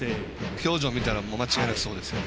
表情を見たら間違いなくそうですね。